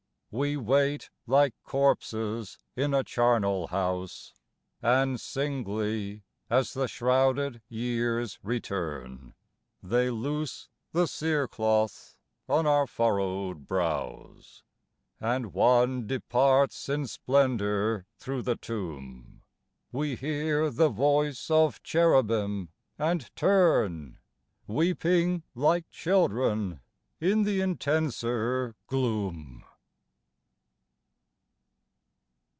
We wait like corpses in a charnel house, And singly, as the shrouded years return, They loose the cere cloth on our furrowed brows ; And one departs in splendour through the tomb, We hear the voice of Cherubim, and turn Weeping like children in the intenser gloom.